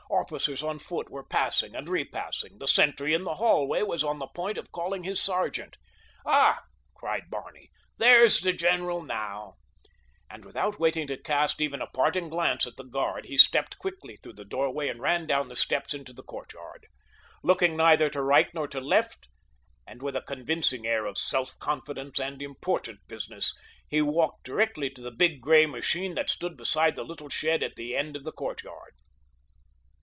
Officers on foot were passing and repassing. The sentry in the hallway was on the point of calling his sergeant. "Ah!" cried Barney. "There is the general now," and without waiting to cast even a parting glance at the guard he stepped quickly through the doorway and ran down the steps into the courtyard. Looking neither to right nor to left, and with a convincing air of self confidence and important business, he walked directly to the big, gray machine that stood beside the little shed at the end of the courtyard.